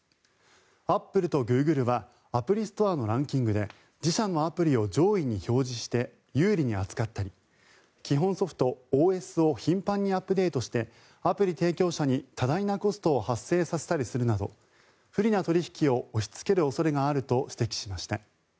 アップルとグーグルはアプリストアのランキングで自社のアプリを上位に表示して有利に扱って基本ソフト・ＯＳを頻繁にアップデートしてアプリ提供者に、多大なコストを発生させたりするなど不利な取引を押しつける恐れがあると指摘しました。